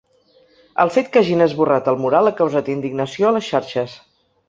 El fet que hagin esborrat el mural ha causat indignació a les xarxes.